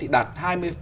đạt hai mươi gdp